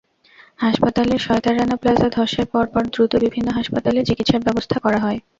হাসপাতালে সহায়তারানা প্লাজা ধসের পরপর দ্রুত বিভিন্ন হাসপাতালে চিকিৎসার ব্যবস্থা করা হয়।